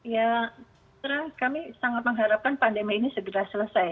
ya kami sangat mengharapkan pandemi ini segera selesai